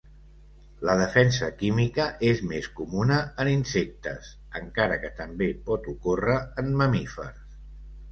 La defensa química és més comuna en insectes, encara que també pot ocórrer en mamífers.